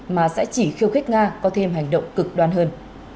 mà sẽ chỉ khiêu khích nga có thêm hành động cực đoan hơn